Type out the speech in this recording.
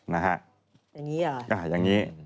นี่นะฮะ